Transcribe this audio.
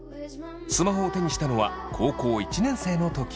スマホを手にしたのは高校１年生の時。